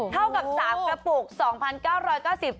เท่ากับ๓กระปุก๒๙๙๐บาท